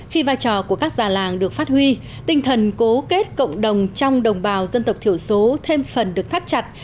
khi vai trò của các già làng được phát huy tinh thần cố kết cộng đồng trong đồng bào dân tộc thiểu số thêm phần được thắt chặt